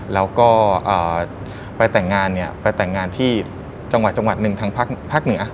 แล้วก็ไปแต่งงานเนี่ยไปแต่งงานที่จังหวัดหนึ่งทางภาคเหนือ